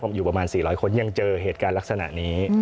ผมอยู่ประมาณ๔๐๐คนยังเจอเหตุการณ์ลักษณะนี้